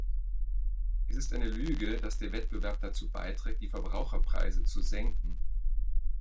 Es ist eine Lüge, dass der Wettbewerb dazu beiträgt, die Verbraucherpreise zu senken.